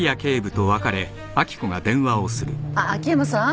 あっ秋山さん？